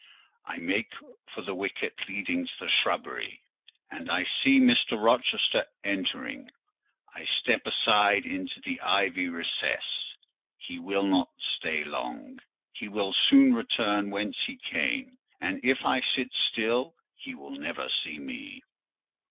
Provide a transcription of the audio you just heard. I make for the wicket leading to the shrubbery, and I see Mr. Rochester entering. I step aside into the ivy recess; he will not stay long: he will soon return whence he came, and if I sit still he will never see me.